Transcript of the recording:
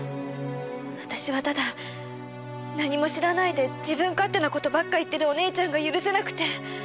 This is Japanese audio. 私はただ何も知らないで自分勝手な事ばっか言ってるお姉ちゃんが許せなくて！